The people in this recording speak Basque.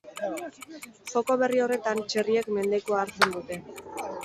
Joko berri horretan, txerriek mendekua hartzen dute.